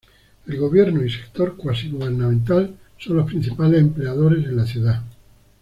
El gobierno y sector cuasi gubernamental son los principales empleadores en la ciudad.